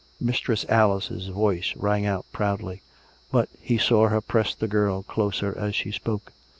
Mistress Alice's voice rang out proudly; but he saw her press the girl closer as she spoke.